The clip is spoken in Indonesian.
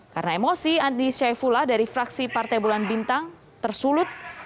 karena emosi andi syaifullah dari fraksi partai bulan bintang tersulut